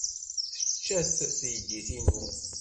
Tečča-t teydit-inu.